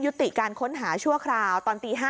ติการค้นหาชั่วคราวตอนตี๕